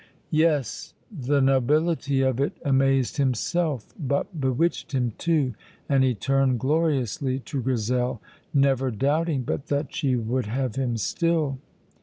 Yes, the nobility of it amazed himself, but bewitched him, too, and he turned gloriously to Grizel, never doubting but that she would have him still.